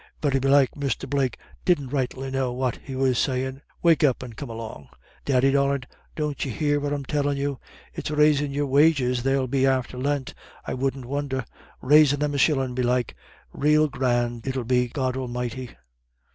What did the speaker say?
Very belike Mr. Blake didn't rightly know what he was sayin'. Wake up and come along.... Daddy darlint, don't you hear what I'm tellin' you? It's raisin' your wages they'll be after Lent, I wouldn't won'er, raisin' them a shillin' belike rael grand it'ill be God Almighty!"